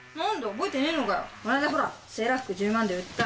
この間ほらセーラー服１０万で売った。